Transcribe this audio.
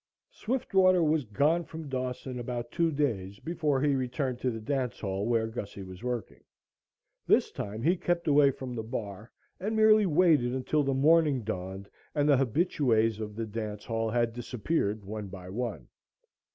Swiftwater was gone from Dawson about two days before he returned to the dance hall where Gussie was working. This time he kept away from the bar and merely waited until the morning dawned and the habitues of the dance hall had disappeared one by one.